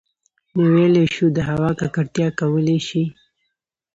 نـو ٫ويلـی شـوو د هـوا ککـړتـيا کـولی شـي